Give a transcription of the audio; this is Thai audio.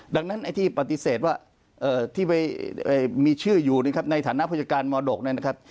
ดังนั้นไอ้ที่ปฏิเสธว่าที่มีชื่ออยู่ในฐานะพจการมดกเนี่ยนะครับ